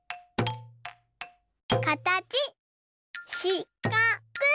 かたちしかく。